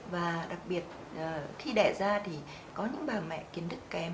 và đặc biệt khi đẻ ra thì có những bà mẹ kiến thức kém